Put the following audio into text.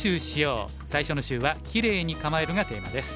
最初の週は「キレイに構える」がテーマです。